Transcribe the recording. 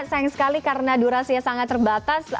sayang sekali karena durasinya sangat terbatas